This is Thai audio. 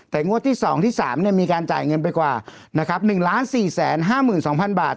แต่งวดที่๒ที่๓เนี่ยมีการจ่ายเงินไปกว่านะครับ๑๔๕๒๐๐๐บาท